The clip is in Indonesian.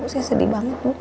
saya sedih banget bu